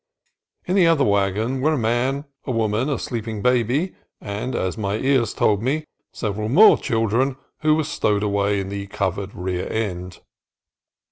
In the other wagon were a man, a woman, a sleeping baby, and, as my ears told me, several more children who were stowed away in the covered rear end.